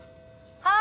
はい。